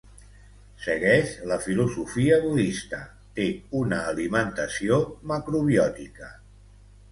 Segueix la filosofia budista, té una alimentació macrobiòtica.